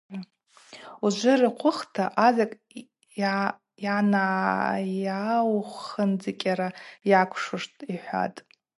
Уыжвжвы йырхъвыхта – азакӏы гӏанайаухындзыкӏьа йакӏвшуштӏ, – йхӏватӏ.